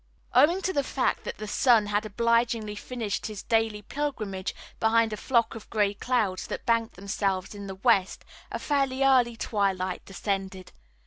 Owing to the fact that the sun had obligingly finished his daily pilgrimage behind a flock of gray clouds that banked themselves in the west, a fairly early twilight descended.